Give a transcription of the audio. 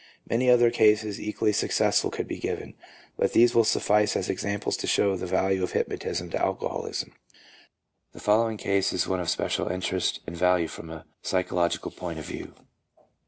Many other cases equally success ful could be given, but these will suffice as examples to show the value of hypnotism to alcoholism. The following case is one of special interest and value from a psychological point of view.